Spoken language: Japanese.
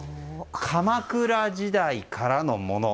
鎌倉時代からのもの。